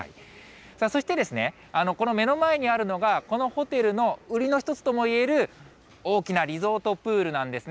そしてこの目の前にあるのが、このホテルの売りの一つともいえる、大きなリゾートプールなんですね。